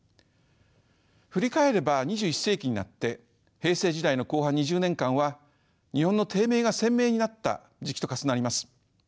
振り返れば２１世紀になって平成時代の後半２０年間は日本の低迷が鮮明になった時期と重なります。